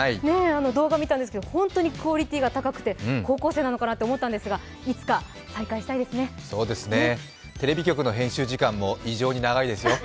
動画見たんですけど、本当にクオリティーが高くて高校生なのかなと思ったんですがいつか再会したいですね。